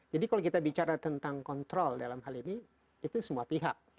jadi kalau kita bicara tentang kontrol dalam hal ini itu semua pihak